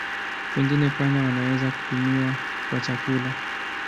Pengine panya wanaweza kutumiwa kwa chakula.